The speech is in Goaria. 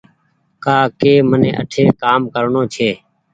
ڪآ ڪي مني آٺي ڪآم ڪرڻو ڇي